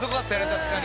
確かに。